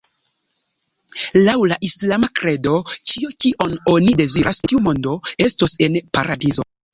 Laŭ la islama kredo, ĉio kion oni deziras en tiu mondo estos en Paradizo.